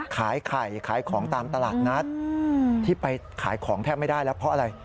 ขายไข่ขายของตามตลาดนัดที่ไปขายของแทบไม่ได้แล้วเพราะอะไร